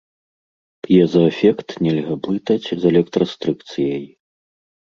П'езаэфект нельга блытаць з электрастрыкцыяй.